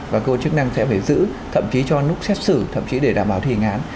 và cơ quan chức năng sẽ phải giữ thậm chí cho lúc xét xử thậm chí để đảm bảo thi hình án